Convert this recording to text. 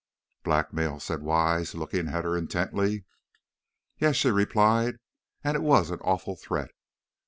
"Blackmail!" said Wise, looking at her intently. "Yes," she replied, "and it was an awful threat!